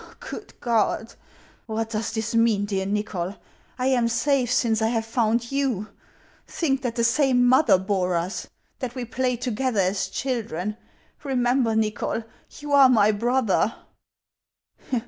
" Good God ! what does this mean, dear Nychol ? I am safe, since I have found you. Think that the same mother bore us ; that we played together as children. Remember, Nychol, you are my brother